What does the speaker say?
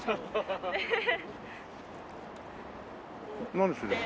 何するの？